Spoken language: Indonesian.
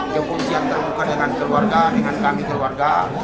kepolisian terbuka dengan keluarga dengan kami keluarga